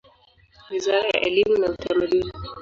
Wizara ya elimu na Utamaduni.